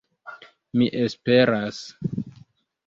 Mi esperas.